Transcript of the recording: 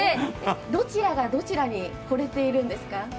どちらがどちらに惚れているんですか？